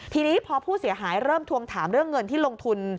ทีนี้พอผู้เสียหายเริ่มทวงถามเรื่องเงินที่ลงทุน